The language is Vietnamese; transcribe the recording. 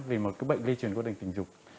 vì một cái bệnh lây truyền của đình tình dục